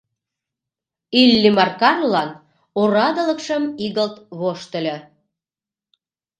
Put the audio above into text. Иллимар Карлан орадылыкшым игылт воштыльо.